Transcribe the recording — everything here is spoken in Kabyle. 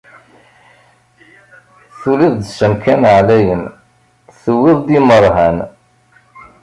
Tuliḍ s amkan ɛlayen, tewwiḍ-d imeṛhan.